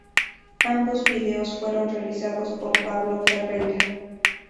Ambos videos fueron realizados por Pablo Ferreyra.